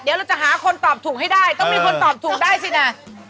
เดี๋ยวเราจะหาคนตอบถูกให้ได้ต้องมีคนตอบถูกได้สินะ